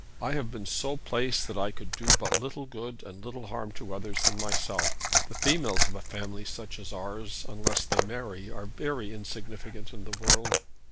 I have been so placed that I could do but little good and little harm to others than myself. The females of a family such as ours, unless they marry, are very insignificant in the world.